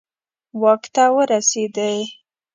واک ته ورسېدي.